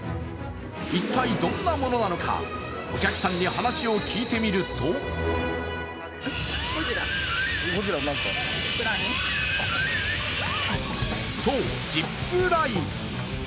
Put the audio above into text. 一体どんなものなのかお客さんに話を聞いてみるとそう、ジップライン。